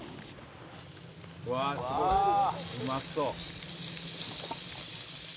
「うわあすごい。うまそう！」